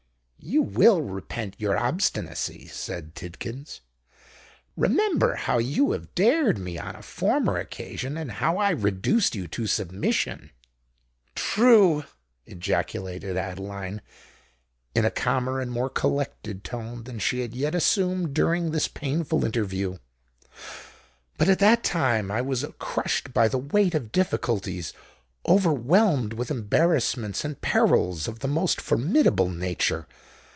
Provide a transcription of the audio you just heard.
"You will repent your obstinacy," said Tidkins. "Remember how you have dared me on a former occasion, and how I reduced you to submission." "True!" ejaculated Adeline, in a calmer and more collected tone than she had yet assumed during this painful interview: "but at that time I was crushed by the weight of difficulties—overwhelmed with embarrassments and perils of the most formidable nature.